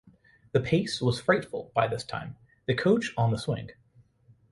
The pace was frightful by this time, the coach on the swing.